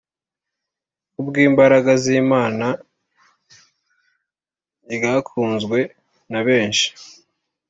ku bw’imbaraga z’imana ryakunzwe na bensh